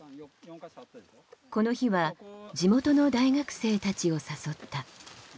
この日は地元の大学生たちを誘った。